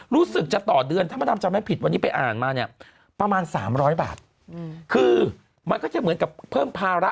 รู้สึกจะต่อเดือนถ้ามาดำจำไม่ผิดวันนี้ไปอ่านมาเนี่ยประมาณ๓๐๐บาทคือมันก็จะเหมือนกับเพิ่มภาระ